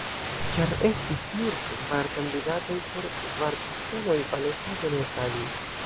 Ĉar estis nur kvar kandidatoj por kvar postenoj, balotado ne okazis.